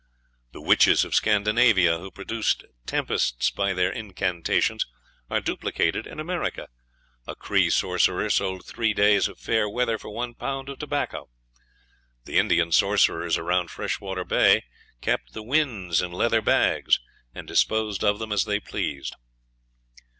The witches of Scandinavia, who produced tempests by their incantations, are duplicated in America. A Cree sorcerer sold three days of fair weather for one pound of tobacco! The Indian sorcerers around Freshwater Bay kept the winds in leather bags, and disposed of them as they pleased.